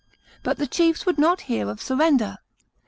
But the chiefs would not hear of surrender.